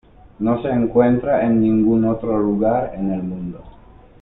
No se encuentra en ningún otro lugar en el mundo.